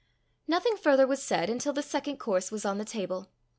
Nothing further was said until the second course was on the table.